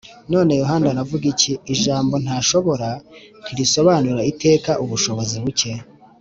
"None Yohana aravuga iki? Ijambo "ntashobora" ntirisobanura iteka ubushobozi buke